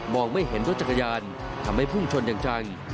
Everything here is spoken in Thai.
ไม่เห็นรถจักรยานทำให้พุ่งชนอย่างจัง